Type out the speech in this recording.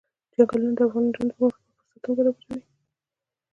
چنګلونه د افغان نجونو د پرمختګ لپاره فرصتونه برابروي.